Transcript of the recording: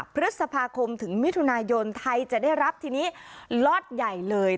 พฤษภาคมถึงมิถุนายนไทยจะได้รับทีนี้ล็อตใหญ่เลย